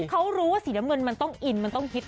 เขารู้ว่าสีน้ำเงินมันต้องอินมันต้องฮิต